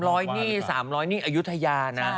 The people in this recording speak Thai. ๓๐๐ปีนี่๓๐๐ปีนี่อายุทยานะ